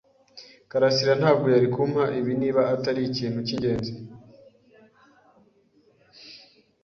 karasira ntabwo yari kumpa ibi niba atari ikintu cyingenzi.